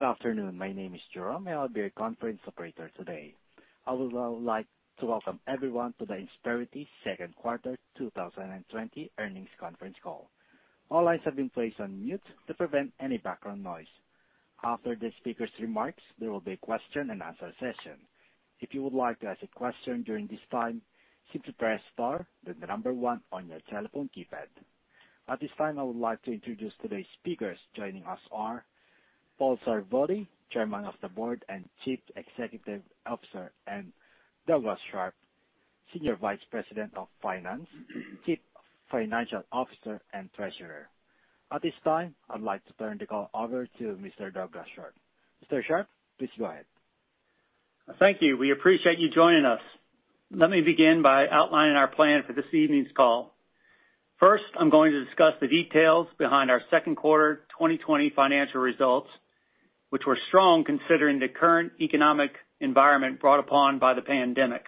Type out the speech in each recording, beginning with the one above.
Good afternoon. My name is Jerome, and I'll be your conference operator today. I would now like to Welcome everyone to the Insperity second quarter 2020 earnings conference call. All lines have been placed on mute to prevent any background noise. After the speakers' remarks, there will be a question and answer session. If you would like to ask a question during this time, simply press star, then the number one on your telephone keypad. At this time, I would like to introduce today's speakers. Joining us are Paul Sarvadi, Chairman of the Board and Chief Executive Officer, and Douglas Sharp, Senior Vice President of Finance, Chief Financial Officer, and Treasurer. At this time, I'd like to turn the call over to Mr. Douglas Sharp. Mr. Sharp, please go ahead. Thank you. We appreciate you joining us. Let me begin by outlining our plan for this evening's call. 1st, I'm going to discuss the details behind our second quarter 2020 financial results, which were strong considering the current economic environment brought upon by the pandemic.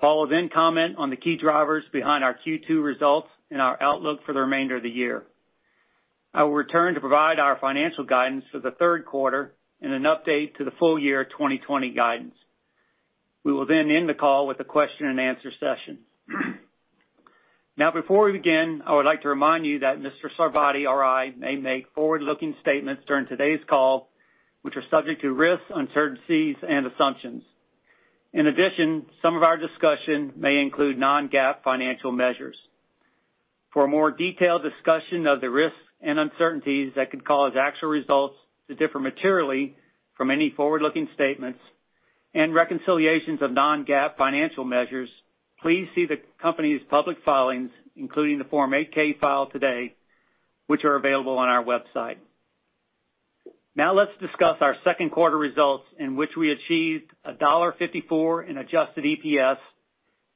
Paul will comment on the key drivers behind our Q2 results and our outlook for the remainder of the year. I will return to provide our financial guidance for the third quarter and an update to the full year 2020 guidance. We will end the call with a question and answer session. Before we begin, I would like to remind you that Mr. Sarvadi or I may make forward-looking statements during today's call, which are subject to risks, uncertainties, and assumptions. In addition, some of our discussion may include non-GAAP financial measures. For a more detailed discussion of the risks and uncertainties that could cause actual results to differ materially from any forward-looking statements and reconciliations of non-GAAP financial measures, please see the company's public filings, including the Form 8-K filed today, which are available on our website. Now let's discuss our second quarter results in which we achieved $1.54 in adjusted EPS,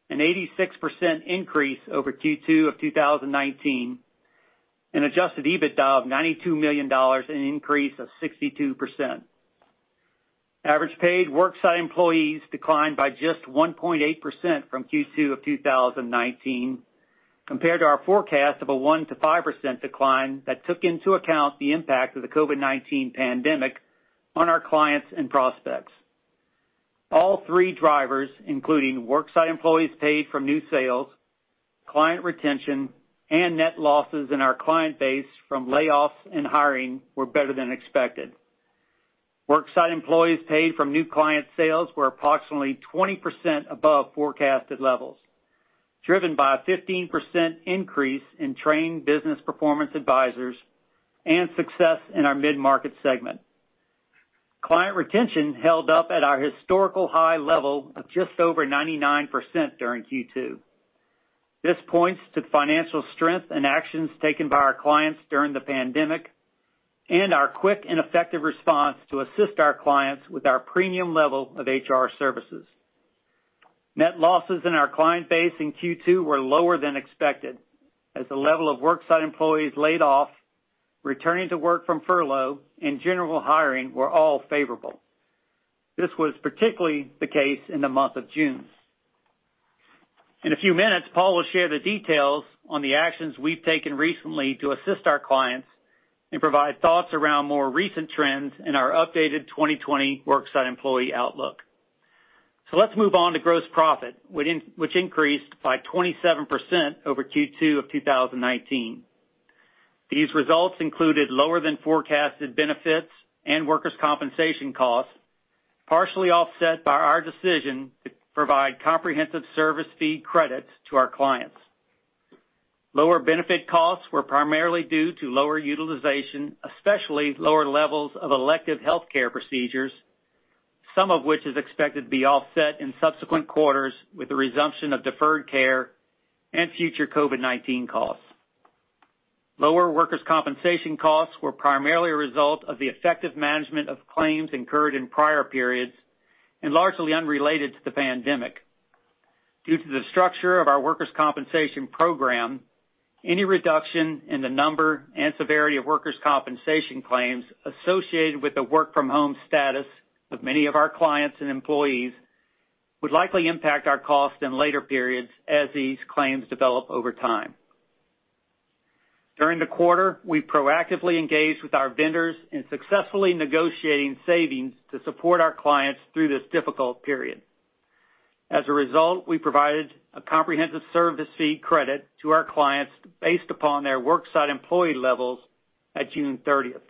an 86% increase over Q2 of 2019, an Adjusted EBITDA of $92 million, an increase of 62%. Average paid worksite employees declined by just 1.8% from Q2 of 2019 compared to our forecast of a 1%-5% decline that took into account the impact of the COVID-19 pandemic on our clients and prospects. All three drivers, including worksite employees paid from new sales, client retention, and net losses in our client base from layoffs and hiring were better than expected. Worksite employees paid from new client sales were approximately 20% above forecasted levels, driven by a 15% increase in trained Business Performance Advisors and success in our mid-market segment. Client retention held up at our historical high level of just over 99% during Q2. This points to financial strength and actions taken by our clients during the pandemic and our quick and effective response to assist our clients with our premium level of HR services. Net losses in our client base in Q2 were lower than expected as the level of worksite employees laid off, returning to work from furlough, and general hiring were all favorable. This was particularly the case in the month of June. In a few minutes, Paul will share the details on the actions we've taken recently to assist our clients and provide thoughts around more recent trends in our updated 2020 worksite employee outlook. Let's move on to gross profit, which increased by 27% over Q2 of 2019. These results included lower than forecasted benefits and workers' compensation costs, partially offset by our decision to provide comprehensive service fee credits to our clients. Lower benefit costs were primarily due to lower utilization, especially lower levels of elective healthcare procedures, some of which is expected to be offset in subsequent quarters with the resumption of deferred care and future COVID-19 costs. Lower workers' compensation costs were primarily a result of the effective management of claims incurred in prior periods and largely unrelated to the pandemic. Due to the structure of our workers' compensation program, any reduction in the number and severity of workers' compensation claims associated with the work from home status of many of our clients and employees would likely impact our costs in later periods as these claims develop over time. During the quarter, we proactively engaged with our vendors in successfully negotiating savings to support our clients through this difficult period. As a result, we provided a comprehensive service fee credit to our clients based upon their worksite employee levels at June 30th.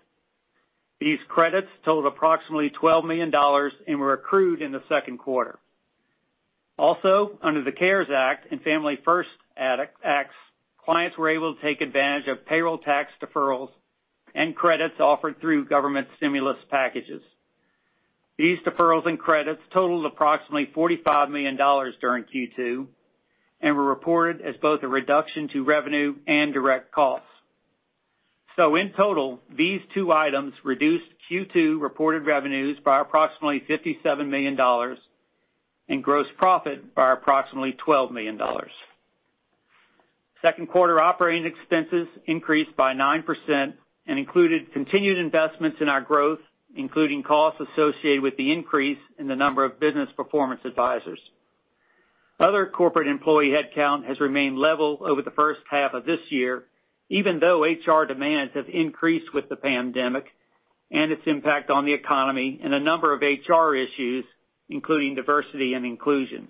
These credits totaled approximately $12 million and were accrued in the second quarter. Under the CARES Act and Families First Act, clients were able to take advantage of payroll tax deferrals and credits offered through government stimulus packages. These deferrals and credits totaled approximately $45 million during Q2 and were reported as both a reduction to revenue and direct costs. In total, these two items reduced Q2 reported revenues by approximately $57 million and gross profit by approximately $12 million. Second quarter operating expenses increased by 9% and included continued investments in our growth, including costs associated with the increase in the number of Business Performance Advisors. Other corporate employee headcount has remained level over the first half of this year, even though HR demands have increased with the pandemic and its impact on the economy and a number of HR issues, including diversity and inclusion.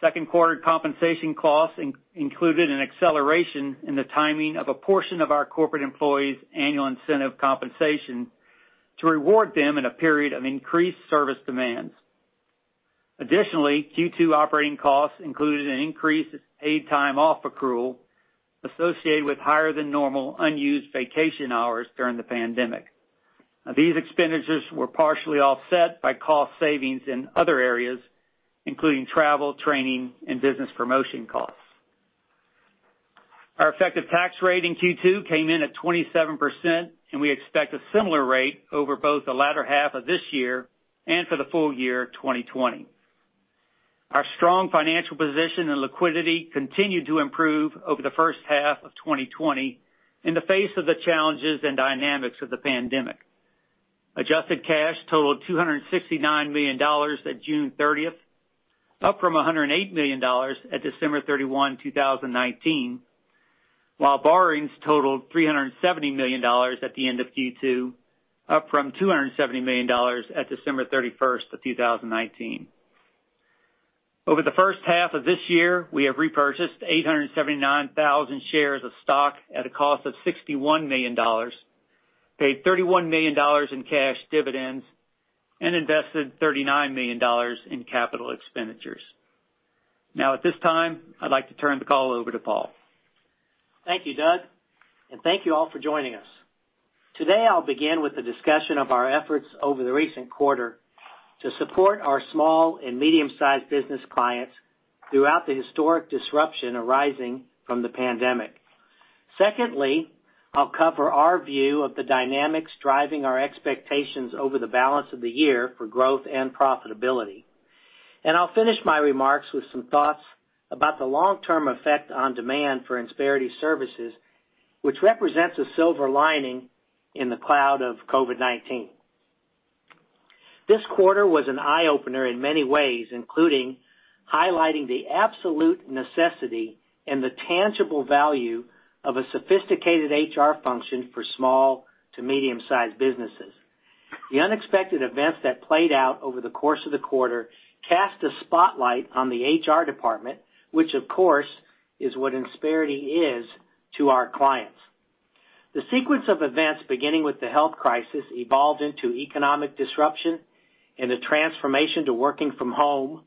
Second quarter compensation costs included an acceleration in the timing of a portion of our corporate employees' annual incentive compensation to reward them in a period of increased service demands. Additionally, Q2 operating costs included an increase in paid time off accrual associated with higher than normal unused vacation hours during the pandemic. Now, these expenditures were partially offset by cost savings in other areas, including travel, training, and business promotion costs. Our effective tax rate in Q2 came in at 27%, and we expect a similar rate over both the latter half of this year and for the full year 2020. Our strong financial position and liquidity continued to improve over the first half of 2020 in the face of the challenges and dynamics of the pandemic. Adjusted cash totaled $269 million at June 30th, up from $108 million at December 31, 2019, while borrowings totaled $370 million at the end of Q2, up from $270 million at December 31st of 2019. Over the first half of this year, we have repurchased 879,000 shares of stock at a cost of $61 million, paid $31 million in cash dividends, and invested $39 million in capital expenditures. Now, at this time, I'd like to turn the call over to Paul. Thank you, Doug. Thank you all for joining us. Today, I'll begin with a discussion of our efforts over the recent quarter to support our small and medium-sized business clients throughout the historic disruption arising from the pandemic. Secondly, I'll cover our view of the dynamics driving our expectations over the balance of the year for growth and profitability. I'll finish my remarks with some thoughts about the long-term effect on demand for Insperity services, which represents a silver lining in the cloud of COVID-19. This quarter was an eye-opener in many ways, including highlighting the absolute necessity and the tangible value of a sophisticated HR function for small to medium-sized businesses. The unexpected events that played out over the course of the quarter cast a spotlight on the HR department, which of course, is what Insperity is to our clients. The sequence of events, beginning with the health crisis, evolved into economic disruption and the transformation to working from home,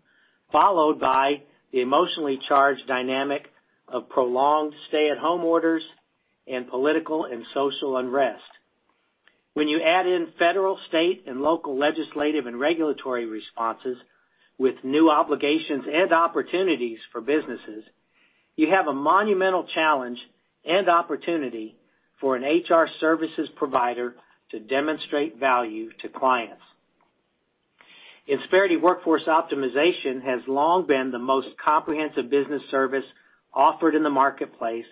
followed by the emotionally charged dynamic of prolonged stay-at-home orders and political and social unrest. When you add in federal, state, and local legislative and regulatory responses with new obligations and opportunities for businesses, you have a monumental challenge and opportunity for an HR services provider to demonstrate value to clients. Insperity Workforce Optimization has long been the most comprehensive business service offered in the marketplace,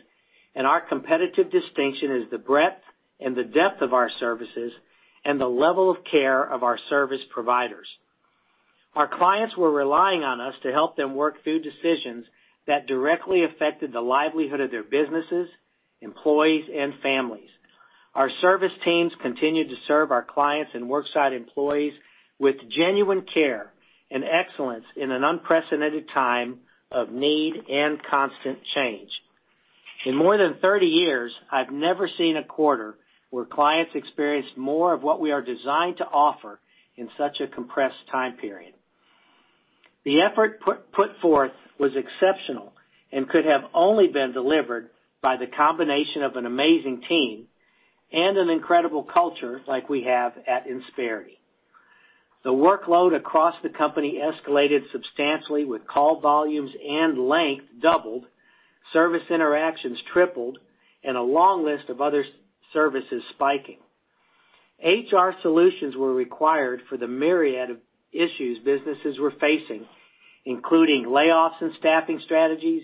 and our competitive distinction is the breadth and the depth of our services and the level of care of our service providers. Our clients were relying on us to help them work through decisions that directly affected the livelihood of their businesses, employees, and families. Our service teams continued to serve our clients and worksite employees with genuine care and excellence in an unprecedented time of need and constant change. In more than 30 years, I've never seen a quarter where clients experienced more of what we are designed to offer in such a compressed time period. The effort put forth was exceptional and could have only been delivered by the combination of an amazing team and an incredible culture like we have at Insperity. The workload across the company escalated substantially with call volumes and length doubled, service interactions tripled, and a long list of other services spiking. HR solutions were required for the myriad of issues businesses were facing, including layoffs and staffing strategies,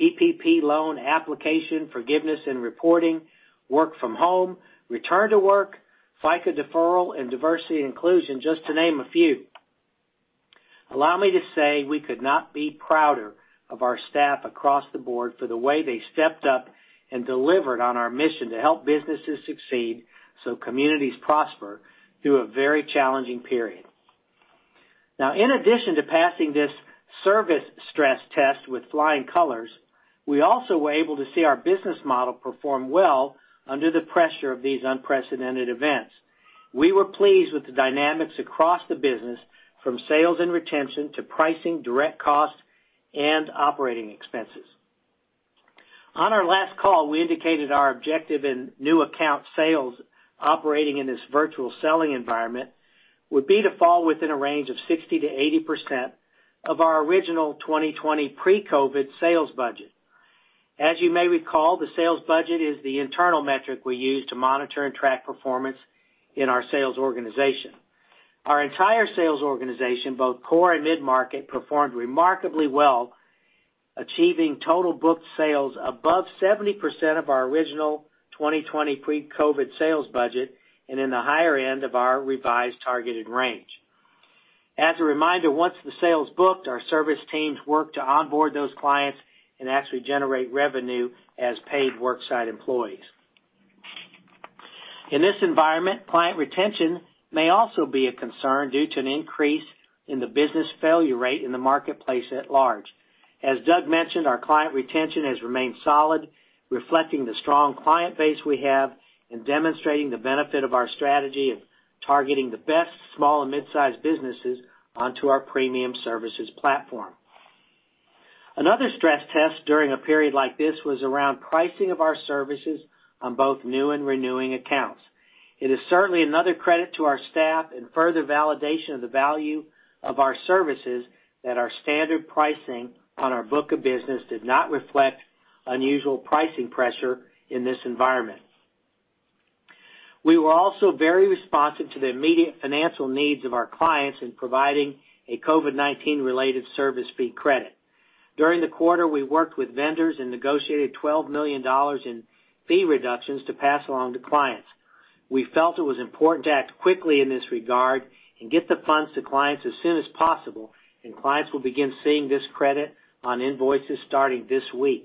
PPP loan application forgiveness and reporting, work from home, return to work, FICA deferral, and diversity and inclusion, just to name a few. Allow me to say we could not be prouder of our staff across the board for the way they stepped up and delivered on our mission to help businesses succeed so communities prosper through a very challenging period. Now, in addition to passing this service stress test with flying colors, we also were able to see our business model perform well under the pressure of these unprecedented events. We were pleased with the dynamics across the business, from sales and retention to pricing, direct costs, and operating expenses. On our last call, we indicated our objective in new account sales operating in this virtual selling environment would be to fall within a range of 60%-80% of our original 2020 pre-COVID sales budget. As you may recall, the sales budget is the internal metric we use to monitor and track performance in our sales organization. Our entire sales organization, both core and mid-market, performed remarkably well. Achieving total booked sales above 70% of our original 2020 pre-COVID sales budget and in the higher end of our revised targeted range. As a reminder, once the sale's booked, our service teams work to onboard those clients and actually generate revenue as paid worksite employees. In this environment, client retention may also be a concern due to an increase in the business failure rate in the marketplace at large. As Doug mentioned, our client retention has remained solid, reflecting the strong client base we have and demonstrating the benefit of our strategy of targeting the best small and mid-sized businesses onto our premium services platform. Another stress test during a period like this was around pricing of our services on both new and renewing accounts. It is certainly another credit to our staff and further validation of the value of our services that our standard pricing on our book of business did not reflect unusual pricing pressure in this environment. We were also very responsive to the immediate financial needs of our clients in providing a COVID-19 related service fee credit. During the quarter, we worked with vendors and negotiated $12 million in fee reductions to pass along to clients. We felt it was important to act quickly in this regard and get the funds to clients as soon as possible. Clients will begin seeing this credit on invoices starting this week.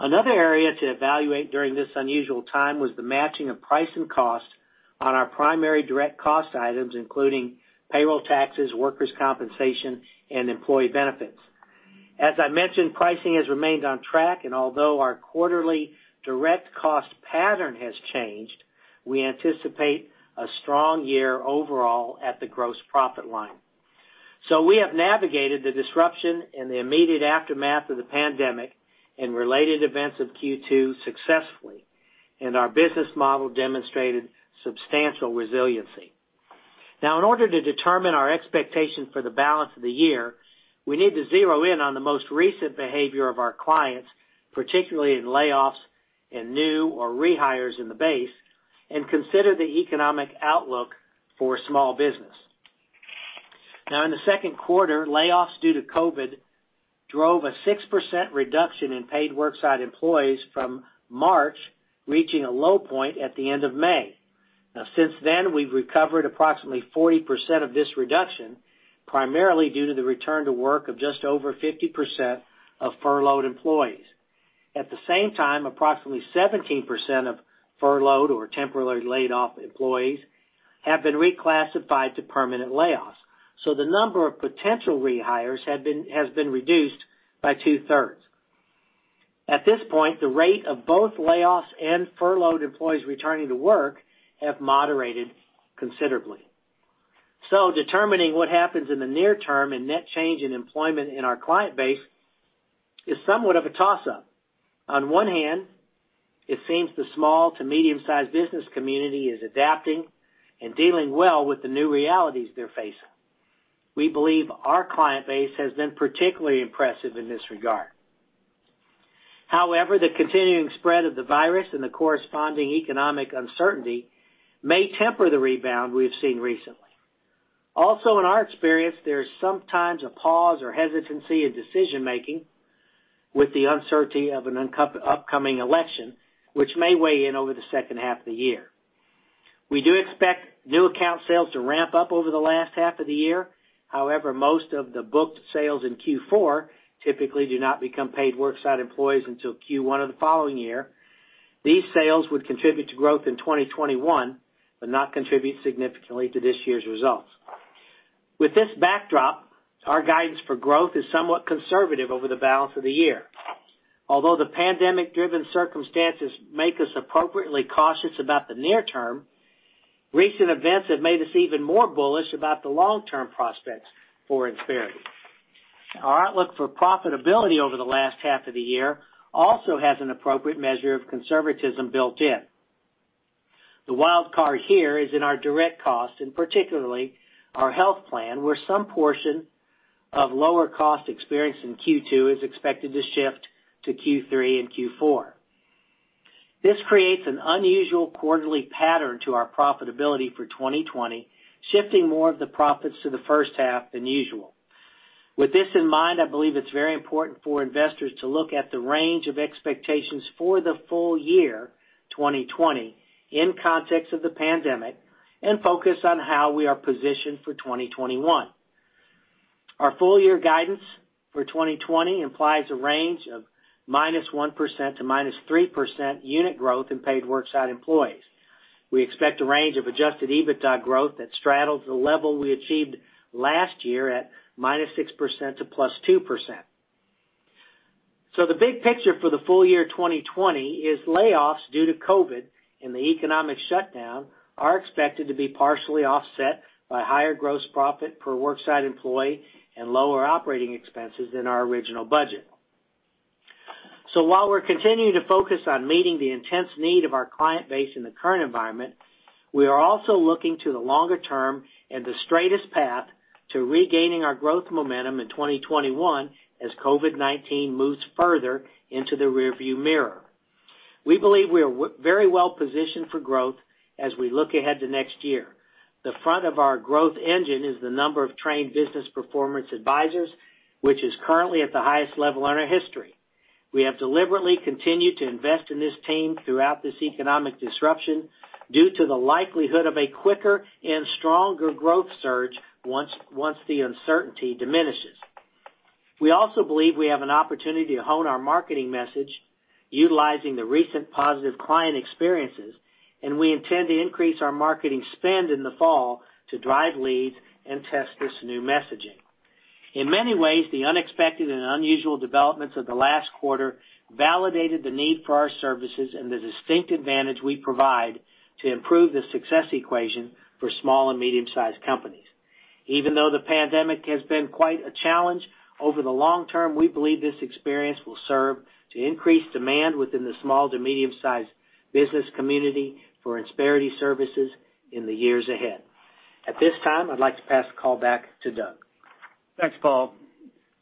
Another area to evaluate during this unusual time was the matching of price and cost on our primary direct cost items, including payroll taxes, workers' compensation, and employee benefits. As I mentioned, pricing has remained on track, and although our quarterly direct cost pattern has changed, we anticipate a strong year overall at the gross profit line. We have navigated the disruption in the immediate aftermath of the pandemic and related events of Q2 successfully, and our business model demonstrated substantial resiliency. In order to determine our expectations for the balance of the year, we need to zero in on the most recent behavior of our clients, particularly in layoffs and new or rehires in the base, and consider the economic outlook for small business. In the second quarter, layoffs due to COVID drove a 6% reduction in paid worksite employees from March, reaching a low point at the end of May. Since then, we've recovered approximately 40% of this reduction, primarily due to the return to work of just over 50% of furloughed employees. At the same time, approximately 17% of furloughed or temporarily laid-off employees have been reclassified to permanent layoffs, so the number of potential rehires has been reduced by two-thirds. At this point, the rate of both layoffs and furloughed employees returning to work have moderated considerably. Determining what happens in the near term in net change in employment in our client base is somewhat of a toss-up. On one hand, it seems the small to medium-sized business community is adapting and dealing well with the new realities they're facing. We believe our client base has been particularly impressive in this regard. However, the continuing spread of the virus and the corresponding economic uncertainty may temper the rebound we have seen recently. Also, in our experience, there is sometimes a pause or hesitancy in decision-making with the uncertainty of an upcoming election, which may weigh in over the second half of the year. We do expect new account sales to ramp up over the last half of the year. However, most of the booked sales in Q4 typically do not become paid worksite employees until Q1 of the following year. These sales would contribute to growth in 2021, but not contribute significantly to this year's results. With this backdrop, our guidance for growth is somewhat conservative over the balance of the year. Although the pandemic-driven circumstances make us appropriately cautious about the near term, recent events have made us even more bullish about the long-term prospects for Insperity. Our outlook for profitability over the last half of the year also has an appropriate measure of conservatism built in. The wild card here is in our direct cost, and particularly our health plan, where some portion of lower cost experienced in Q2 is expected to shift to Q3 and Q4. This creates an unusual quarterly pattern to our profitability for 2020, shifting more of the profits to the first half than usual. With this in mind, I believe it's very important for investors to look at the range of expectations for the full year 2020 in context of the pandemic, and focus on how we are positioned for 2021. Our full year guidance for 2020 implies a range of -1% to -3% unit growth in paid worksite employees. We expect a range of adjusted EBITDA growth that straddles the level we achieved last year at -6% to +2%. The big picture for the full year 2020 is layoffs due to COVID and the economic shutdown are expected to be partially offset by higher gross profit per worksite employee and lower operating expenses than our original budget. While we're continuing to focus on meeting the intense need of our client base in the current environment, we are also looking to the longer term and the straightest path to regaining our growth momentum in 2021 as COVID-19 moves further into the rear view mirror. We believe we are very well positioned for growth as we look ahead to next year. The front of our growth engine is the number of trained Business Performance Advisors, which is currently at the highest level in our history. We have deliberately continued to invest in this team throughout this economic disruption due to the likelihood of a quicker and stronger growth surge once the uncertainty diminishes. We also believe we have an opportunity to hone our marketing message utilizing the recent positive client experiences, and we intend to increase our marketing spend in the fall to drive leads and test this new messaging. In many ways, the unexpected and unusual developments of the last quarter validated the need for our services and the distinct advantage we provide to improve the success equation for small and medium-sized companies. Even though the pandemic has been quite a challenge, over the long term, we believe this experience will serve to increase demand within the small to medium-sized business community for Insperity services in the years ahead. At this time, I'd like to pass the call back to Doug. Thanks, Paul.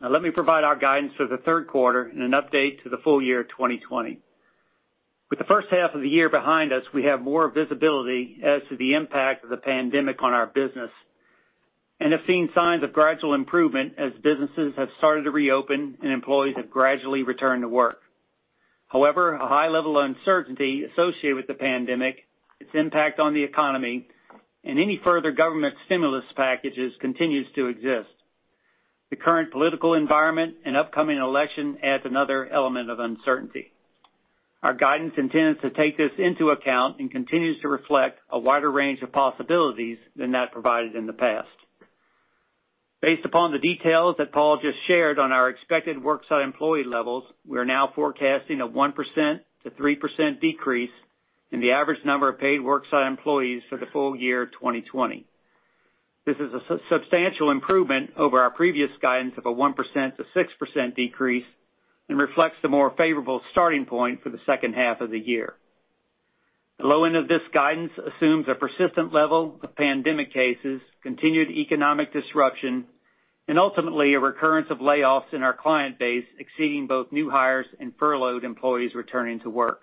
Let me provide our guidance for the third quarter and an update to the full year 2020. With the first half of the year behind us, we have more visibility as to the impact of the pandemic on our business and have seen signs of gradual improvement as businesses have started to reopen and employees have gradually returned to work. A high level of uncertainty associated with the pandemic, its impact on the economy, and any further government stimulus packages continues to exist. The current political environment and upcoming election adds another element of uncertainty. Our guidance intends to take this into account and continues to reflect a wider range of possibilities than that provided in the past. Based upon the details that Paul just shared on our expected worksite employee levels, we are now forecasting a 1%-3% decrease in the average number of paid worksite employees for the full year 2020. This is a substantial improvement over our previous guidance of a 1%-6% decrease and reflects the more favorable starting point for the second half of the year. The low end of this guidance assumes a persistent level of pandemic cases, continued economic disruption, and ultimately, a recurrence of layoffs in our client base exceeding both new hires and furloughed employees returning to work.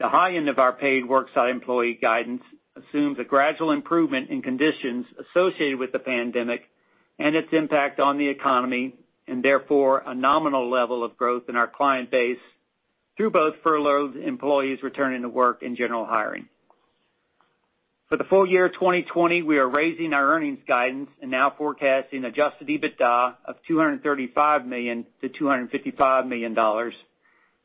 The high end of our paid worksite employee guidance assumes a gradual improvement in conditions associated with the pandemic and its impact on the economy, and therefore, a nominal level of growth in our client base through both furloughed employees returning to work and general hiring. For the full year 2020, we are raising our earnings guidance and now forecasting adjusted EBITDA of $235 million-$255 million,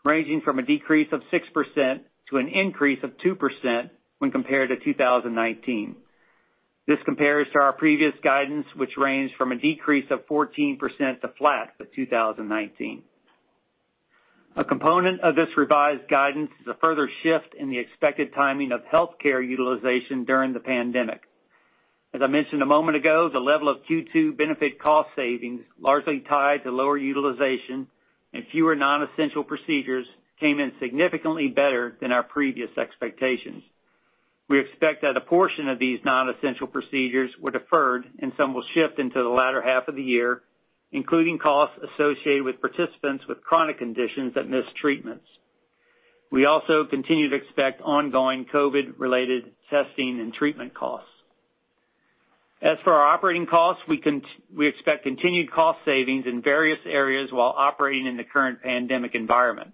ranging from a decrease of 6% to an increase of 2% when compared to 2019. This compares to our previous guidance, which ranged from a decrease of 14% to flat for 2019. A component of this revised guidance is a further shift in the expected timing of healthcare utilization during the pandemic. As I mentioned a moment ago, the level of Q2 benefit cost savings, largely tied to lower utilization and fewer non-essential procedures, came in significantly better than our previous expectations. We expect that a portion of these non-essential procedures were deferred and some will shift into the latter half of the year, including costs associated with participants with chronic conditions that missed treatments. We also continue to expect ongoing COVID-related testing and treatment costs. As for our operating costs, we expect continued cost savings in various areas while operating in the current pandemic environment.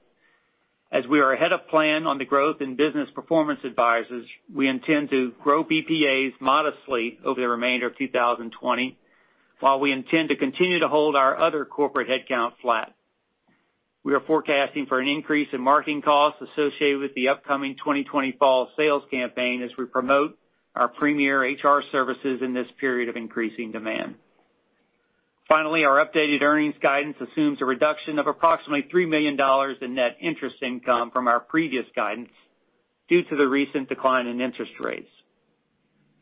As we are ahead of plan on the growth in Business Performance Advisors, we intend to grow BPAs modestly over the remainder of 2020 while we intend to continue to hold our other corporate headcount flat. We are forecasting for an increase in marketing costs associated with the upcoming 2020 fall sales campaign as we promote our premier HR services in this period of increasing demand. Finally, our updated earnings guidance assumes a reduction of approximately $3 million in net interest income from our previous guidance due to the recent decline in interest rates.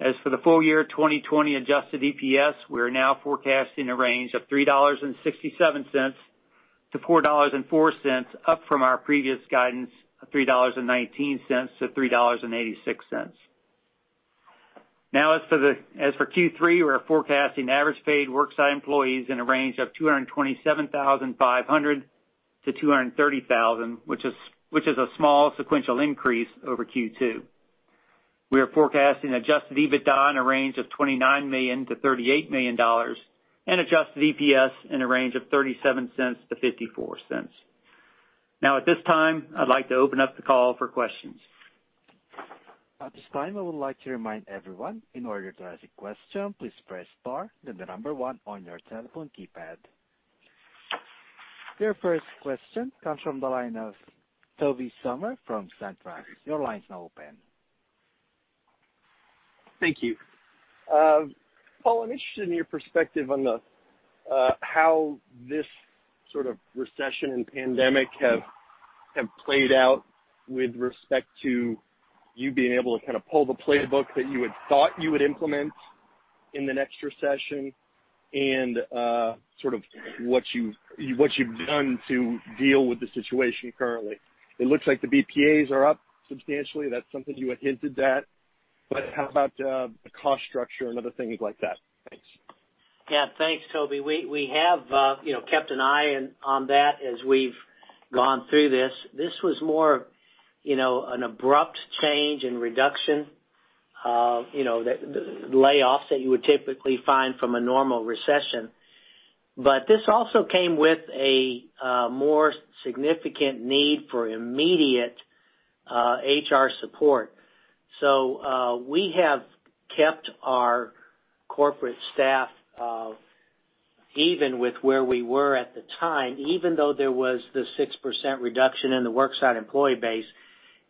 As for the full year 2020 adjusted EPS, we are now forecasting a range of $3.67-$4.04, up from our previous guidance of $3.19-$3.86. As for Q3, we are forecasting average paid worksite employees in a range of 227,500-230,000, which is a small sequential increase over Q2. We are forecasting adjusted EBITDA in a range of $29 million-$38 million and adjusted EPS in a range of $0.37-$0.54. At this time, I'd like to open up the call for questions. At this time, I would like to remind everyone, in order to ask a question, please press star, then the number 1 on your telephone keypad. Your first question comes from the line of Tobey Sommer from Truist. Your line's now open. Thank you. Paul, I'm interested in your perspective on how this sort of recession and pandemic have played out with respect to you being able to kind of pull the playbook that you had thought you would implement in the next recession and sort of what you've done to deal with the situation currently. It looks like the BPAs are up substantially. That's something you had hinted at, but how about the cost structure and other things like that? Thanks. Thanks, Tobey. We have kept an eye on that as we've gone through this. This was more an abrupt change in reduction, the layoffs that you would typically find from a normal recession. This also came with a more significant need for immediate HR support. We have kept our corporate staff even with where we were at the time, even though there was this 6% reduction in the worksite employee base,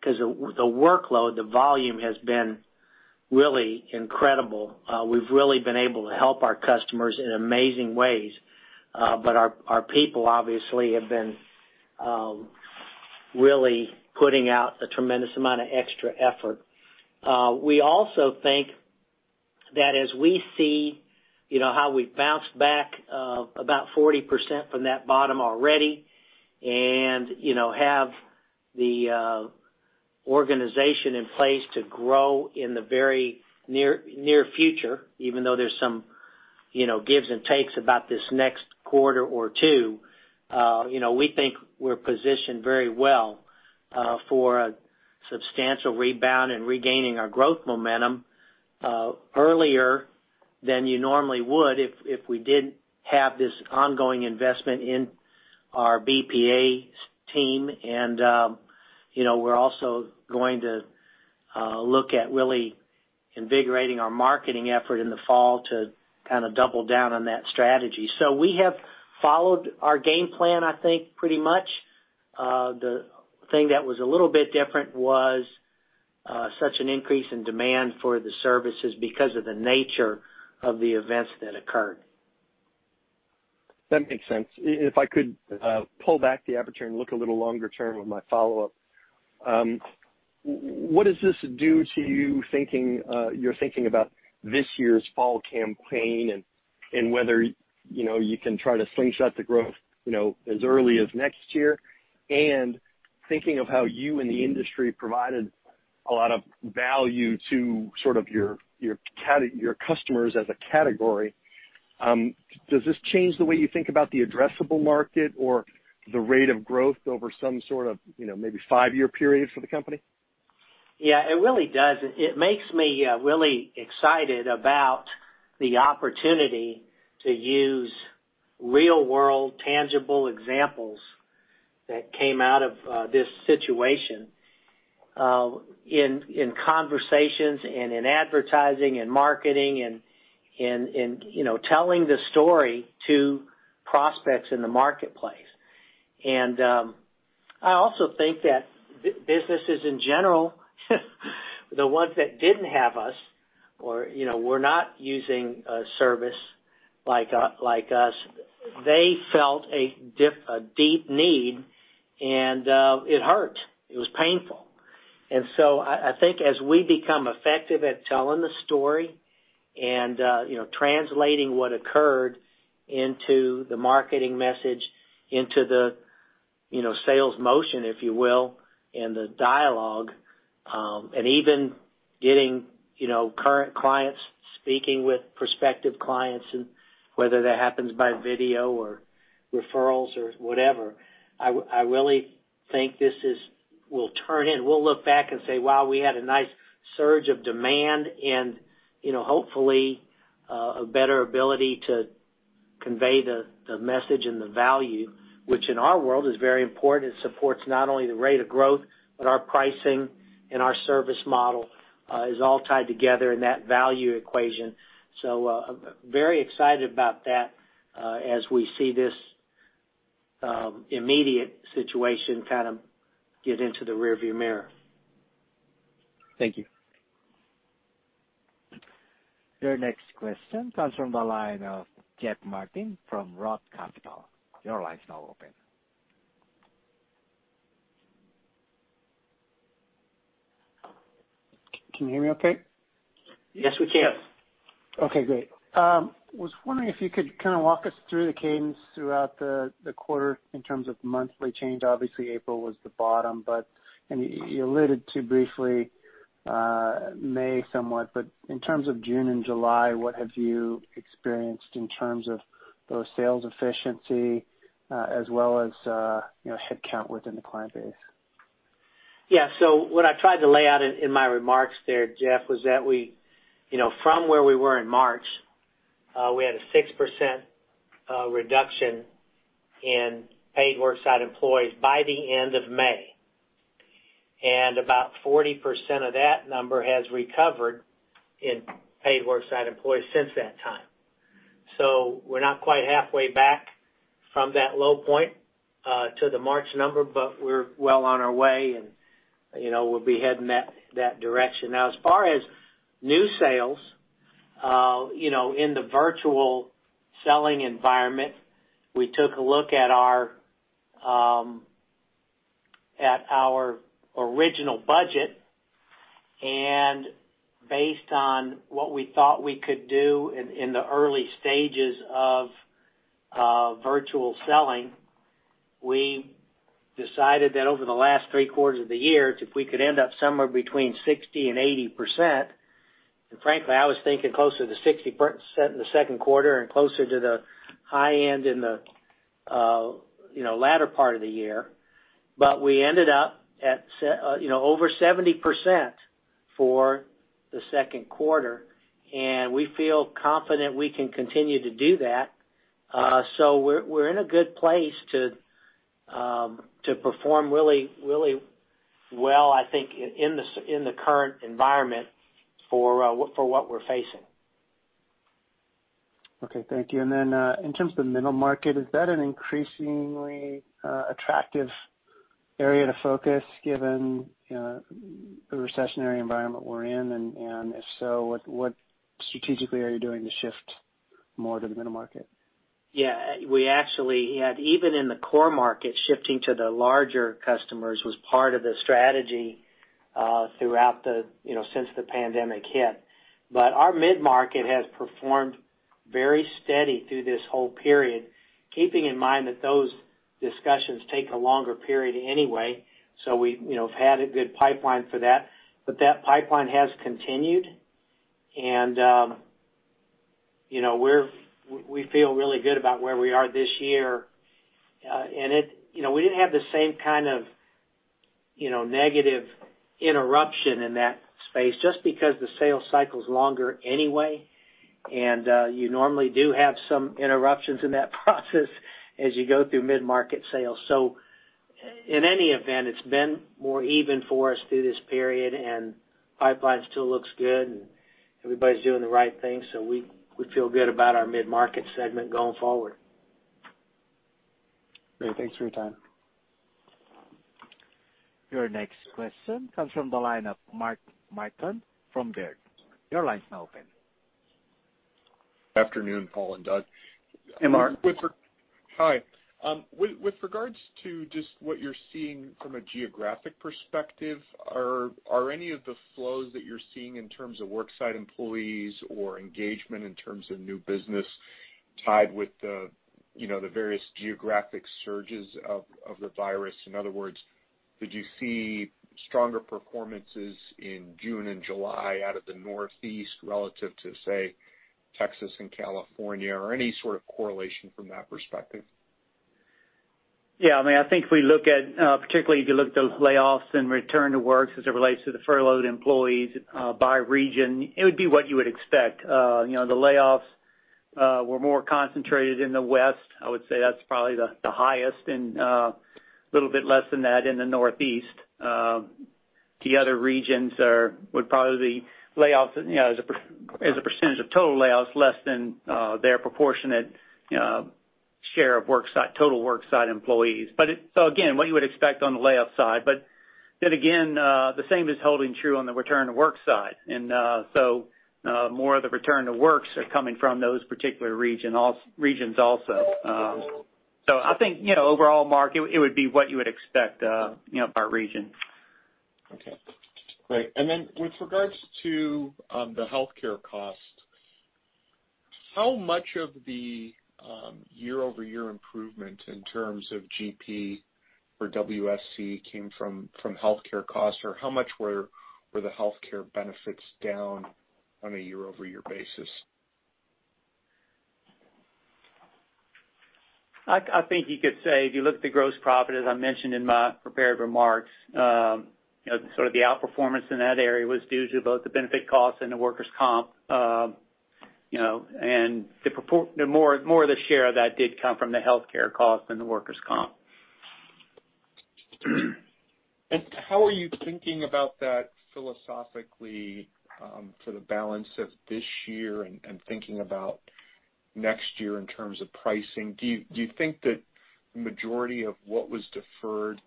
because the workload, the volume, has been really incredible. We've really been able to help our customers in amazing ways. Our people, obviously, have been really putting out a tremendous amount of extra effort. We also think that as we see how we've bounced back about 40% from that bottom already and have the organization in place to grow in the very near future, even though there's some gives and takes about this next quarter or two, we think we're positioned very well for a substantial rebound and regaining our growth momentum earlier than you normally would if we didn't have this ongoing investment in our BPA team. We're also going to look at really invigorating our marketing effort in the fall to kind of double down on that strategy. We have followed our game plan, I think, pretty much. The thing that was a little bit different was such an increase in demand for the services because of the nature of the events that occurred. That makes sense. If I could pull back the aperture and look a little longer term with my follow-up. What does this do to you're thinking about this year's fall campaign and whether you can try to slingshot the growth as early as next year? Thinking of how you and the industry provided a lot of value to sort of your customers as a category, does this change the way you think about the addressable market or the rate of growth over some sort of maybe five-year period for the company? Yeah, it really does. It makes me really excited about the opportunity to use real-world, tangible examples that came out of this situation, in conversations and in advertising and marketing and in telling the story to prospects in the marketplace. I also think that businesses in general, the ones that didn't have us or were not using a service like us, they felt a deep need, and it hurt. It was painful. I think as we become effective at telling the story and translating what occurred into the marketing message, into the sales motion, if you will, and the dialogue, and even getting current clients speaking with prospective clients, and whether that happens by video or referrals or whatever, I really think this is, we'll turn and we'll look back and say, "Wow, we had a nice surge of demand" and hopefully a better ability to convey the message and the value, which in our world is very important. It supports not only the rate of growth, but our pricing and our service model is all tied together in that value equation. Very excited about that as we see this immediate situation kind of get into the rear view mirror. Thank you. Your next question comes from the line of Jeff Martin from Roth Capital. Your line's now open. Can you hear me okay? Yes, we can. Okay, great. Was wondering if you could kind of walk us through the cadence throughout the quarter in terms of monthly change. Obviously, April was the bottom, and you alluded to briefly May somewhat, but in terms of June and July, what have you experienced in terms of both sales efficiency as well as headcount within the client base? Yeah. What I tried to lay out in my remarks there, Jeff, was that from where we were in March, we had a 6% reduction in paid worksite employees by the end of May, and about 40% of that number has recovered in paid worksite employees since that time. We're not quite halfway back from that low point to the March number, but we're well on our way, and we'll be heading that direction. Now, as far as new sales, in the virtual selling environment, we took a look at our original budget, and based on what we thought we could do in the early stages of virtual selling, we decided that over the last three quarters of the year, if we could end up somewhere between 60%-80%, and frankly, I was thinking closer to 60% in the second quarter and closer to the high end in the latter part of the year. We ended up at over 70% for the second quarter, and we feel confident we can continue to do that. We're in a good place to perform really well, I think, in the current environment for what we're facing. Okay. Thank you. In terms of the mid-market, is that an increasingly attractive area to focus given the recessionary environment we're in? If so, what strategically are you doing to shift more to the mid-market? Yeah. Even in the core market, shifting to the larger customers was part of the strategy since the pandemic hit. Our mid-market has performed very steady through this whole period, keeping in mind that those discussions take a longer period anyway, so we've had a good pipeline for that. That pipeline has continued, and we feel really good about where we are this year. We didn't have the same kind of negative interruption in that space just because the sales cycle's longer anyway. You normally do have some interruptions in that process as you go through mid-market sales. In any event, it's been more even for us through this period, and pipeline still looks good, and everybody's doing the right thing. We feel good about our mid-market segment going forward. Great. Thanks for your time. Your next question comes from the line of Mark Marcon from Baird. Your line's now open. Afternoon, Paul and Doug. Hey, Mark. Hi. With regards to just what you're seeing from a geographic perspective, are any of the flows that you're seeing in terms of Worksite Employees or engagement in terms of new business tied with the various geographic surges of the virus? In other words, did you see stronger performances in June and July out of the Northeast relative to, say, Texas and California, or any sort of correlation from that perspective? I think if you look at those layoffs and return to work as it relates to the furloughed employees by region, it would be what you would expect. The layoffs were more concentrated in the West. I would say that's probably the highest, and a little bit less than that in the Northeast. The other regions would probably be, as a percentage of total layoffs, less than their proportionate share of total worksite employees. Again, what you would expect on the layoff side, but then again, the same is holding true on the return to work side. More of the return to works are coming from those particular regions also. I think, overall, Mark, it would be what you would expect by region. Okay. Great. Then with regards to the healthcare cost, how much of the year-over-year improvement in terms of GP for WSE came from healthcare costs, or how much were the healthcare benefits down on a year-over-year basis? I think you could say, if you look at the gross profit, as I mentioned in my prepared remarks, the out-performance in that area was due to both the benefit costs and the workers' comp. More of the share of that did come from the healthcare cost than the workers' comp. How are you thinking about that philosophically, for the balance of this year and thinking about next year in terms of pricing? Do you think that the majority of what was deferred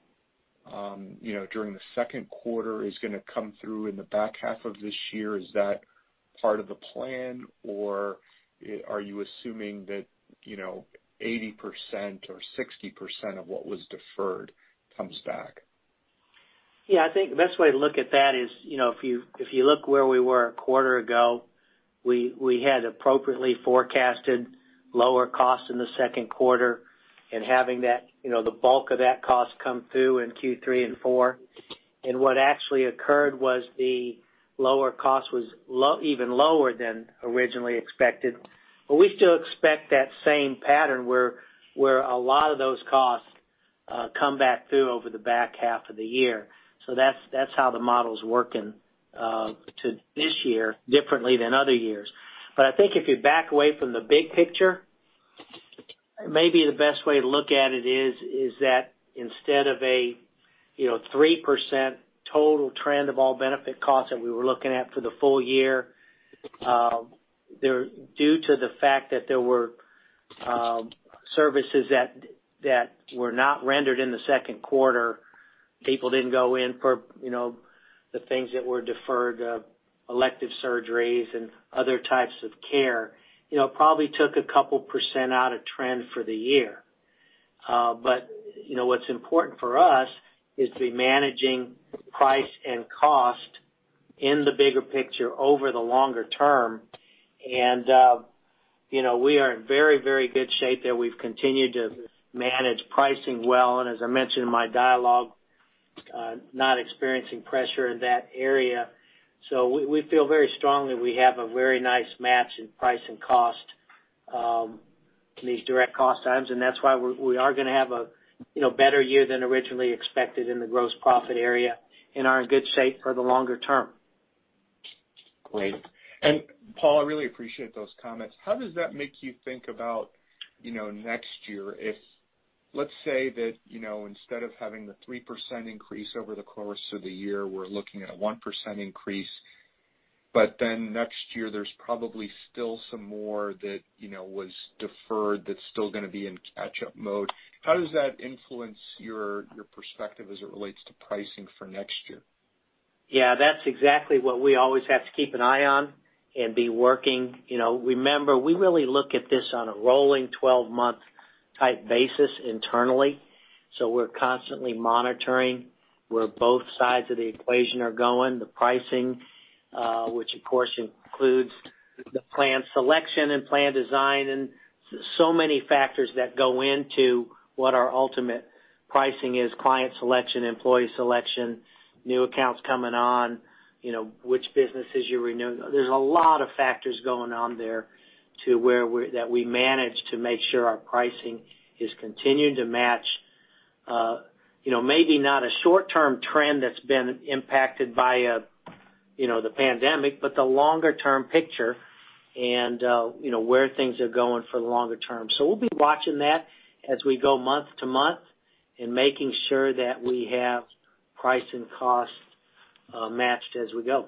during the second quarter is going to come through in the back half of this year? Is that part of the plan, or are you assuming that 80% or 60% of what was deferred comes back? Yeah. I think the best way to look at that is, if you look where we were a quarter ago, we had appropriately forecasted lower costs in the second quarter, and having the bulk of that cost come through in Q3 and Q4. What actually occurred was the lower cost was even lower than originally expected. We still expect that same pattern where a lot of those costs come back through over the back half of the year. That's how the model's working to this year differently than other years. I think if you back away from the big picture, maybe the best way to look at it is that instead of a 3% total trend of all benefit costs that we were looking at for the full year, due to the fact that there were services that were not rendered in the second quarter, people didn't go in for the things that were deferred, elective surgeries and other types of care, probably took a couple percent out of trend for the year. What's important for us is to be managing price and cost in the bigger picture over the longer term. We are in very good shape there. We've continued to manage pricing well, and as I mentioned in my dialogue, not experiencing pressure in that area. We feel very strongly we have a very nice match in price and cost in these direct cost items, and that's why we are going to have a better year than originally expected in the gross profit area and are in good shape for the longer term. Great. Paul, I really appreciate those comments. How does that make you think about next year? If, let's say that, instead of having the 3% increase over the course of the year, we're looking at a 1% increase, next year there's probably still some more that was deferred that's still going to be in catch-up mode. How does that influence your perspective as it relates to pricing for next year? Yeah, that's exactly what we always have to keep an eye on and be working. Remember, we really look at this on a rolling 12-month type basis internally, so we're constantly monitoring where both sides of the equation are going, the pricing, which, of course, includes the plan selection and plan design and so many factors that go into what our ultimate pricing is, client selection, employee selection, new accounts coming on, which businesses you're renewing. There's a lot of factors going on there to where that we manage to make sure our pricing is continuing to match, maybe not a short-term trend that's been impacted by the pandemic, but the longer-term picture and where things are going for the longer term. We'll be watching that as we go month to month and making sure that we have price and cost matched as we go.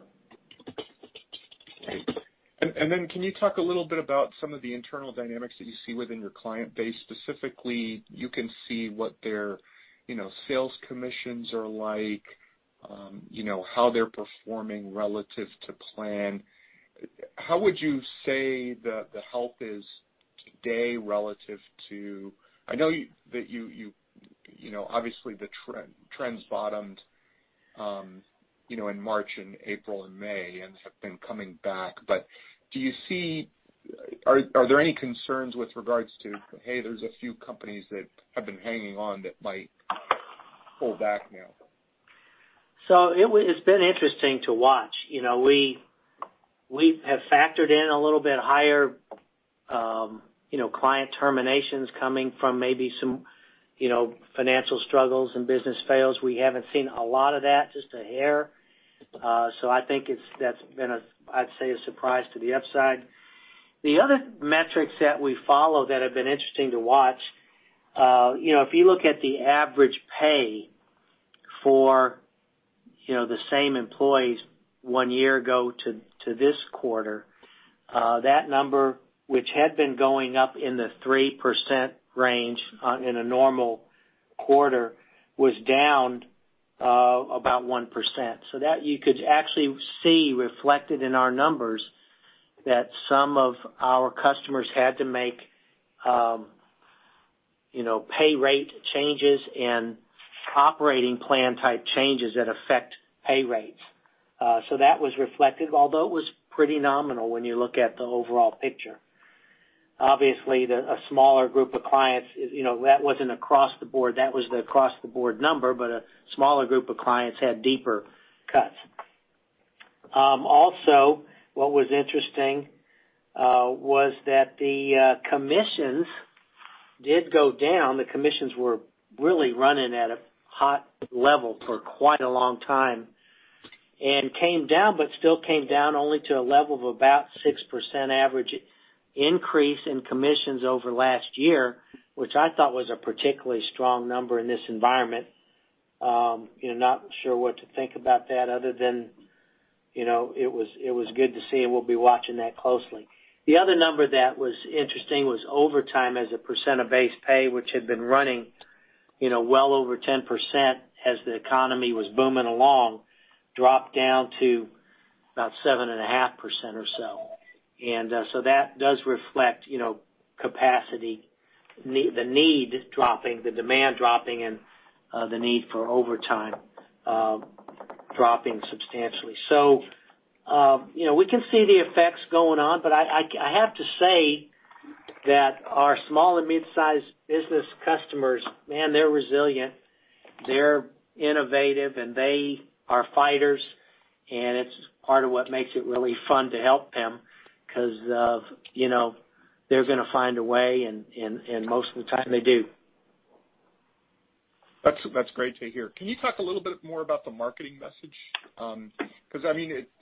Great. Can you talk a little bit about some of the internal dynamics that you see within your client base, specifically, you can see what their sales commissions are like, how they're performing relative to plan. How would you say the health is today relative to I know that obviously the trends bottomed in March and April and May and have been coming back. Are there any concerns with regards to, hey, there's a few companies that have been hanging on that might pull back now? It's been interesting to watch. We have factored in a little bit higher client terminations coming from maybe some financial struggles and business fails. We haven't seen a lot of that, just a hair. I think that's been, I'd say, a surprise to the upside. The other metrics that we follow that have been interesting to watch, if you look at the average pay for the same employees one year ago to this quarter, that number, which had been going up in the 3% range in a normal quarter, was down about 1%. That you could actually see reflected in our numbers that some of our customers had to make pay rate changes and operating plan type changes that affect pay rates. That was reflected, although it was pretty nominal when you look at the overall picture. Obviously, a smaller group of clients, that wasn't across the board. That was the across-the-board number, but a smaller group of clients had deeper cuts. Also, what was interesting was that the commissions did go down. The commissions were really running at a hot level for quite a long time, and came down, but still came down only to a level of about 6% average increase in commissions over last year, which I thought was a particularly strong number in this environment. Not sure what to think about that other than it was good to see, and we'll be watching that closely. The other number that was interesting was overtime as a percent of base pay, which had been running well over 10% as the economy was booming along, dropped down to about 7.5% or so. That does reflect capacity, the need dropping, the demand dropping, and the need for overtime dropping substantially. We can see the effects going on, but I have to say that our small and mid-sized business customers, man, they're resilient. They're innovative, and they are fighters, and it's part of what makes it really fun to help them because they're going to find a way, and most of the time they do. That's great to hear. Can you talk a little bit more about the marketing message? Because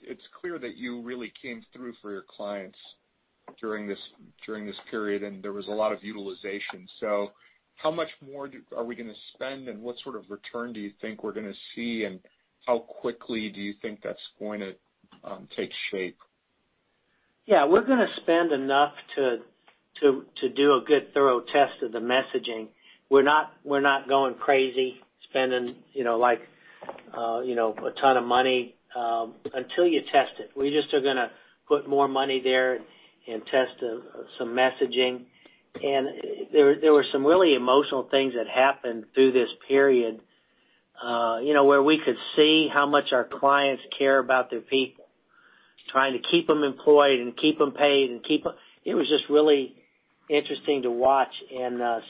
it's clear that you really came through for your clients during this period, and there was a lot of utilization. How much more are we going to spend, and what sort of return do you think we're going to see, and how quickly do you think that's going to take shape? Yeah, we're going to spend enough to do a good thorough test of the messaging. We're not going crazy spending a ton of money until you test it. We just are going to put more money there and test some messaging. There were some really emotional things that happened through this period, where we could see how much our clients care about their people, trying to keep them employed and keep them paid. It was just really interesting to watch. I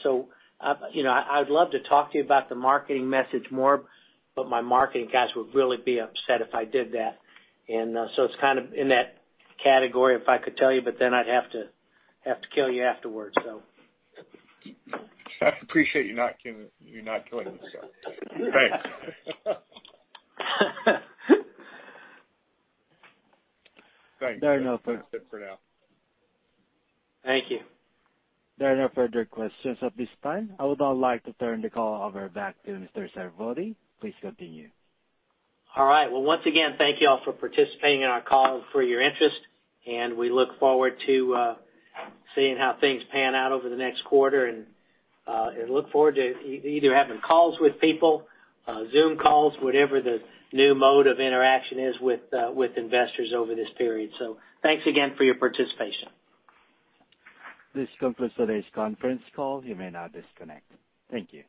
would love to talk to you about the marketing message more, but my marketing guys would really be upset if I did that. It's kind of in that category if I could tell you, but then I'd have to kill you afterwards. I appreciate you not killing me, so thanks. Thanks. That's it for now. Thank you. There are no further questions at this time. I would now like to turn the call over back to Mr. Sarvadi. Please continue. All right. Well, once again, thank you all for participating in our call, for your interest, and we look forward to seeing how things pan out over the next quarter, and look forward to either having calls with people, Zoom calls, whatever the new mode of interaction is with investors over this period. Thanks again for your participation. This concludes today's conference call. You may now disconnect. Thank you.